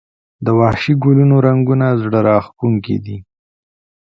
د وحشي ګلونو رنګونه زړه راښکونکي دي